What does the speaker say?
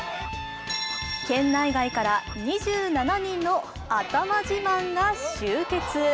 県内外から２７人の頭自慢が集結。